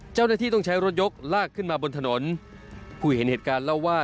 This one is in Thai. เจ้าหน้าที่ต้องใช้รถยกลากขึ้นมาบนถนนผู้เห็นเหตุการณ์เล่าว่า